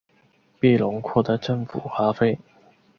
庇隆扩大政府花费。